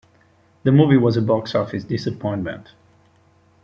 The movie was a box office disappointment.